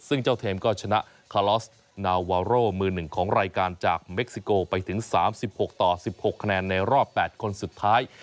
ซึ่งเจ้าเทมก็ชนะคาลอสนาวาโรมือ๑ของรายการจากเม็กซิโกไปถึง๓๖ต่อ๑๖คะแนนในรอบ๘คนสุดท้าย